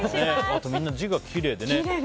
あと、みんな字がきれいで。